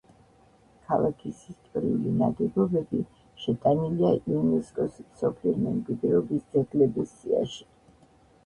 ქალაქის ისტორიული ნაგებობები შეტანილია იუნესკოს მსოფლიო მემკვიდრეობის ძეგლების სიაში.